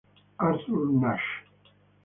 Arthur Nash